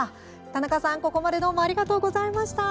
田中さん、ここまでどうもありがとうございました。